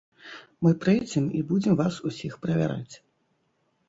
Мы прыйдзем і будзем вас усіх правяраць.